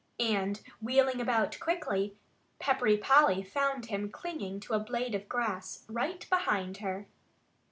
And wheeling about quickly, Peppery Polly found him clinging to a blade of grass right behind her.